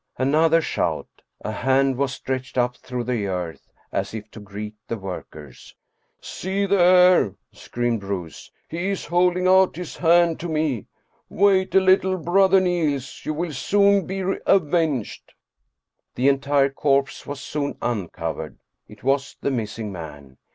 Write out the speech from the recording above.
Another shout ! A hand was stretched up through the earth as if to greet the workers. " See there !" screamed Bruus. " He is holding out his hand to me. Wait a little, Brother Niels ! You will soon be avenged !" The entire corpse was soon uncovered. It was the miss ing man.